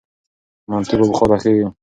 منتو په بخار پخیږي.